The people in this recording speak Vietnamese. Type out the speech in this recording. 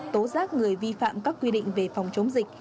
tố giác người vi phạm các quy định về phòng chống dịch